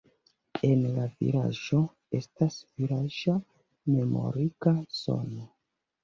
En la vilaĝo estas vilaĝa memoriga zono.